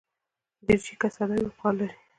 دریشي که ساده وي، وقار لري.